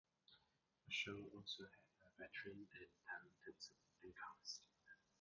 The show also had a veteran and talented supporting cast.